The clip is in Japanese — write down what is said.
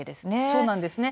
そうなんですね。